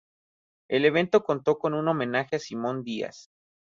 El evento contó con un homenaje a Simón Díaz.